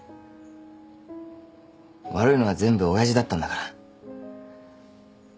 悪いのは全部親父だったんだから。